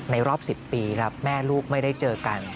รอบ๑๐ปีครับแม่ลูกไม่ได้เจอกัน